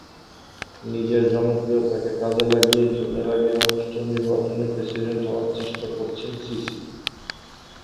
নিজের জনপ্রিয়তাকে কাজে লাগিয়ে জুনের আগে অনুষ্ঠেয় নির্বাচনে প্রেসিডেন্ট হওয়ার চেষ্টা করছেন সিসি।